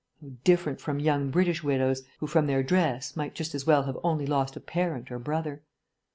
How different from young British widows, who, from their dress, might just as well have only lost a parent or brother.